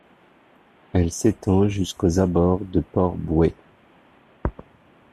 Elle s'étend jusqu'aux abord de Port-Bouët.